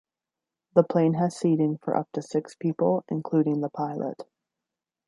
The plane has seating for up to six people including the pilot.